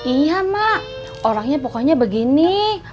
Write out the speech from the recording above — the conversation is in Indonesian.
iya mak orangnya pokoknya begini